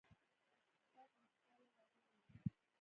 شپږ ميسکاله راغلي وو.